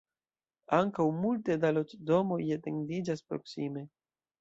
Ankaŭ multe da loĝdomoj etendiĝas proksime.